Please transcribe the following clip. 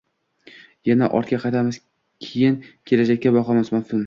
Yana ortga qaytamiz keyin, kelajakka boqamiz maftun.